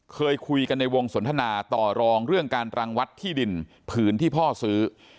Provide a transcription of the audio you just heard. เคยคุยกันในวงสนทนาต่อรองเรื่องการรังวัดที่ดินผืนที่พ่อซื้อ